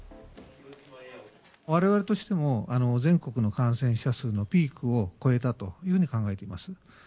われわれとしても、全国の感染者数のピークを越えたというふうに考えています。